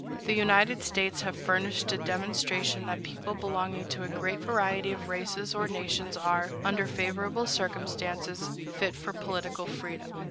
The United States have furnished a demonstration that people belonging to a great variety of races or nations are, under favorable circumstances, fit for political freedom.